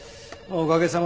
おかげさまで。